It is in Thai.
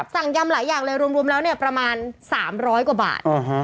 ยำหลายอย่างเลยรวมแล้วเนี่ยประมาณ๓๐๐กว่าบาท